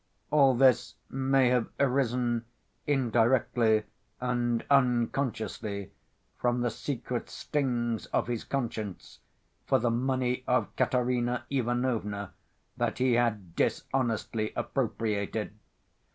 All this may have arisen indirectly and unconsciously from the secret stings of his conscience for the money of Katerina Ivanovna that he had dishonestly appropriated.